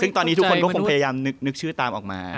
ซึ่งตอนนี้ทุกคนก็คงพยายามนึกชื่อตามออกมา